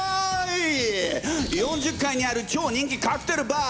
４０階にある超人気カクテルバー